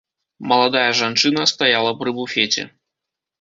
Маладая жанчына стаяла пры буфеце.